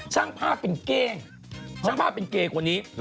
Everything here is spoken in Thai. ฉ่างภาพเป็นแก้งฉ่างภาพเป็นเก่กว่านี้